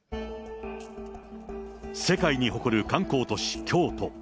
世界に誇る観光都市、京都。